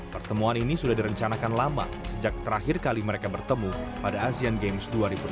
pertemuan ini sudah direncanakan lama sejak terakhir kali mereka bertemu pada asean games dua ribu delapan belas